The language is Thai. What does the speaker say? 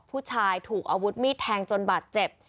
ผู้ชายถูกอาวุธมีดแทงจนบาดเจ็บ